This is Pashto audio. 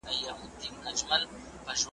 خو هرګوره د انسان دغه آیین دی .